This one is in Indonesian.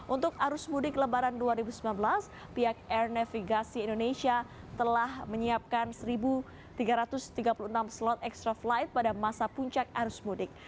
untuk arus mudik lebaran dua ribu sembilan belas pihak air navigasi indonesia telah menyiapkan satu tiga ratus tiga puluh enam slot extra flight pada masa puncak arus mudik